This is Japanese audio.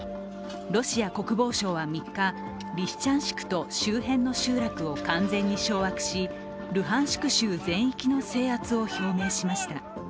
ロシア国防省は３日リシチャンシクと周辺の集落を完全に掌握し、ルハンシク州全域の制圧を表明しました。